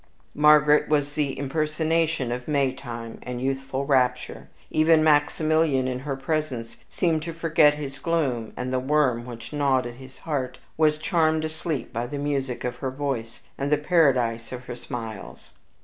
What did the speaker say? Margaret was the impersonation of May time and youthful rapture; even Maximilian in her presence seemed to forget his gloom, and the worm which gnawed at his heart was charmed asleep by the music of her voice, and the paradise of her smiles.